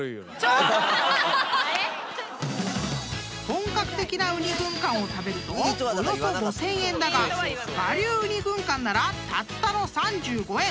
［本格的なウニ軍艦を食べるとおよそ５，０００円だが我流ウニ軍艦ならたったの３５円］